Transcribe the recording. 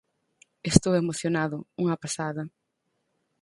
Estou emocionado, unha pasada.